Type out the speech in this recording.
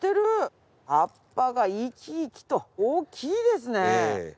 葉っぱが生き生きと大きいですね。